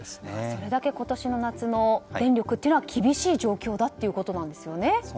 それだけ今年の夏の電力は厳しい状況だということですね。